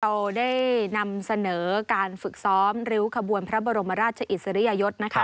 เราได้นำเสนอการฝึกซ้อมริ้วขบวนพระบรมราชอิสริยยศนะคะ